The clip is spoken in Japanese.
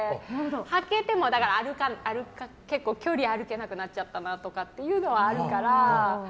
履けても結構、距離が歩けなくなっちゃったりというのはあるから。